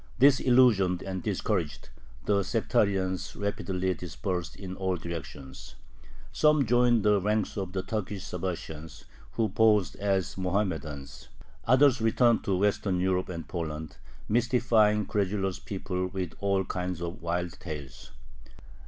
Disillusioned and discouraged, the sectarians rapidly dispersed in all directions. Some joined the ranks of the Turkish Sabbatians, who posed as Mohammedans. Others returned to Western Europe and Poland, mystifying credulous people with all kinds of wild tales.